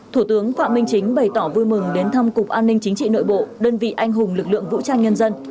thủ tướng phạm minh chính bày tỏ vui mừng đến thăm cục an ninh chính trị nội bộ đơn vị anh hùng lực lượng vũ trang nhân dân